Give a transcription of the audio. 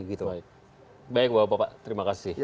baik baik bapak bapak terima kasih